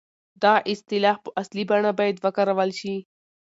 دغه اصطلاح په اصلي بڼه بايد وکارول شي.